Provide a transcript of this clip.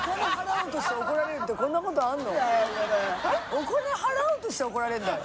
お金払おうとして怒られるんだよ？